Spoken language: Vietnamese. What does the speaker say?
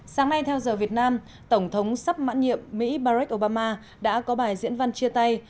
sáng nay theo giờ việt nam tổng thống sắp mãn nhiệm mỹ barek obama đã có bài diễn văn chia tay